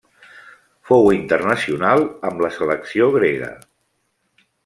Fou internacional amb la selecció grega.